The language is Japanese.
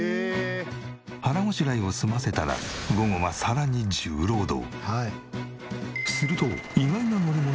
腹ごしらえを済ませたら午後はさらに重労働。